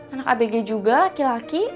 anak abg juga laki laki